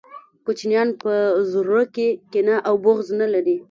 کوچنیان په زړه کي کینه او بغض نلري